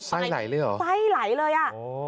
ไส้ไหลหรือเหรอไส้ไหลเลยอ่ะโอ้